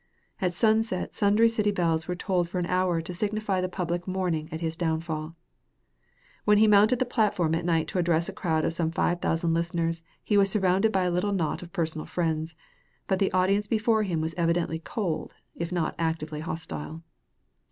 At sunset sundry city bells were tolled for an hour to signify the public mourning at his downfall. When he mounted the platform at night to address a crowd of some five thousand listeners he was surrounded by a little knot of personal friends, but the audience before him was evidently cold if not actively hostile.